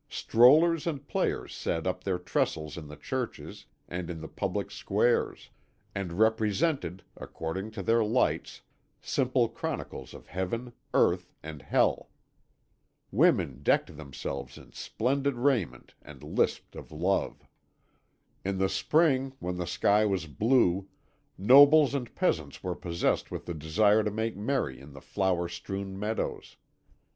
Strollers and players set up their trestles in the churches and in the public squares, and represented, according to their lights, simple chronicles of Heaven, Earth, and Hell. Women decked themselves in splendid raiment and lisped of love. "In the spring when the sky was blue, nobles and peasants were possessed with the desire to make merry in the flower strewn meadows.